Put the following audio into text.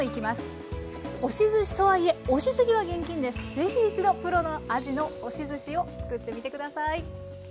ぜひ一度プロのあじの押しずしを作ってみてください。